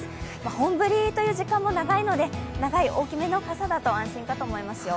本降りという時間も長いので長い大きめの傘だと安心だと思いますよ。